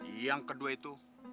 yang kedua itu